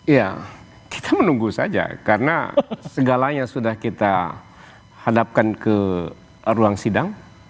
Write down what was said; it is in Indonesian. ya kita menunggu saja karena segalanya sudah kita hadapkan ke ruang sidang